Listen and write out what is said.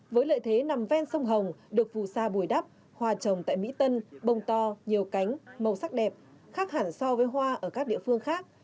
với lợi thế nằm ven sông hồng được phù sa bùi đắp hoa trồng tại mỹ tân bông to nhiều cánh màu sắc đẹp khác hẳn so với hoa ở các địa phương khác